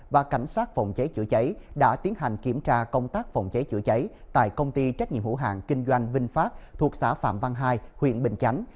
và cảnh sát phòng cháy chữa cháy đã tiến hành kiểm tra công tác phòng cháy chữa cháy tại công ty trách nhiệm hữu hàng kinh doanh vinh pháp thuộc xã phạm văn hai huyện bình chánh